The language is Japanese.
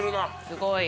すごい。